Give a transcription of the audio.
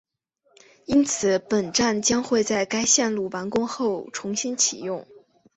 因此本站将会在该线路完工后重新启用